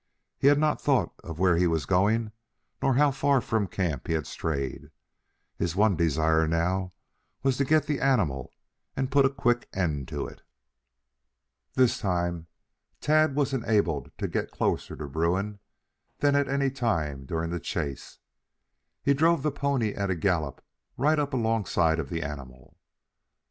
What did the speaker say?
He had not thought of where he was going nor how far from camp he had strayed. His one desire now was to get the animal and put a quick end to it. This time Tad was enabled to get closer to Bruin than at any time during the chase. He drove the pony at a gallop right up alongside of the animal.